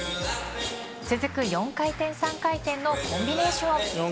続く４回転３回転のコンビネーション。